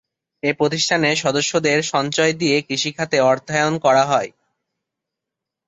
এ প্রতিষ্ঠানের সদস্যদের সঞ্চয় দিয়ে কৃষিখাতে অর্থায়ন করা হয়।